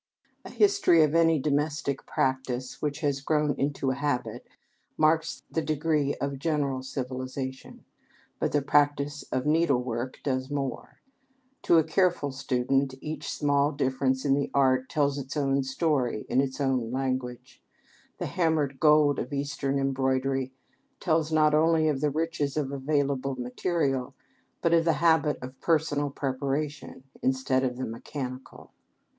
A history of any domestic practice which has grown into a habit marks the degree of general civilization, but the practice of needlework does more. To a careful student each small difference in the art tells its own story in its own language. The hammered gold of Eastern embroidery tells not only of the riches of available material, but of the habit of personal preparation, instead of the mechanical.